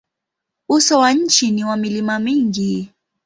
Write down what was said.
Uso wa nchi ni wa milima mingi.